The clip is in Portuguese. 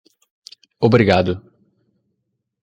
Obrigado.